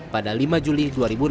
pada lima juli dua ribu enam belas